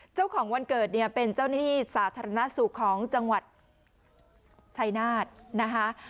เจ้าของวันเกิดเนี่ยเป็นเจ้าหน้าที่สาธารณสุขของจังหวัดชายนาฏนะคะ